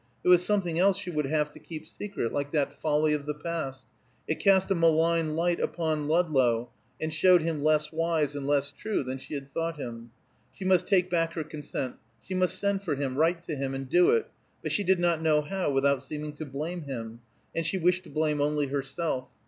It was something else she would have to keep secret, like that folly of the past; it cast a malign light upon Ludlow, and showed him less wise and less true than she had thought him. She must take back her consent; she must send for him, write to him, and do it; but she did not know how without seeming to blame him, and she wished to blame only herself.